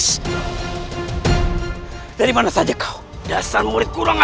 sekali ke sana mengalahin praised tikun